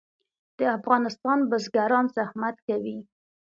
د افغانستان بزګران زحمت کوي